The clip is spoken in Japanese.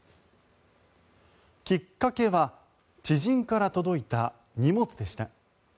きっかけは知人から届いた荷物でした。